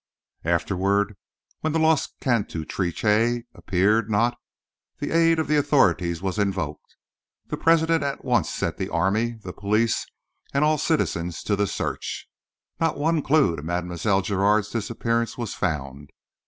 Afterward, when the lost cantatrice appeared not, the aid of the authorities was invoked. The President at once set the army, the police and all citizens to the search. Not one clue to Mlle. Giraud's disappearance was found.